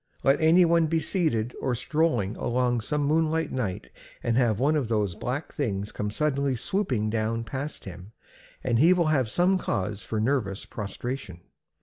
Let any one be seated or strolling along some moonlight night and have one of those black things come suddenly swooping down past him, and he will have some cause for nervous prostration.